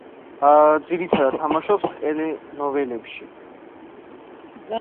ძირითადად, თამაშობს ტელენოველებში.